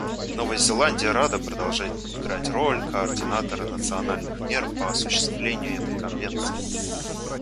Новая Зеландия рада продолжать играть роль координатора национальных мер по осуществлению этой Конвенции.